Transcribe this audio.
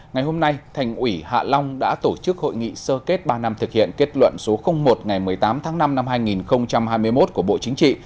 ngày hôm nay thành ủy hạ long đã tổ chức hội nghị sơ kết ba năm thực hiện kết luận số một ngày một mươi tám tháng năm năm hai nghìn hai mươi một của bộ chính trị